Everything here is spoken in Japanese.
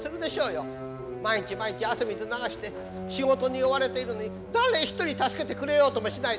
毎日毎日汗水流して仕事に追われているのに誰一人助けてくれようともしない。